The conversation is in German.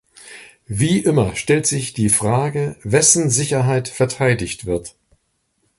Wie immer stellt sich die Frage, wessen Sicherheit verteidigt wird.